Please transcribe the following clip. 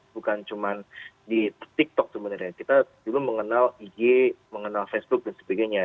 bukan cuma di tiktok sebenarnya kita dulu mengenal ig mengenal facebook dan sebagainya